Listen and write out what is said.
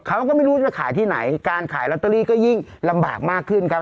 เขาก็ไม่รู้จะขายที่ไหนการขายลอตเตอรี่ก็ยิ่งลำบากมากขึ้นครับ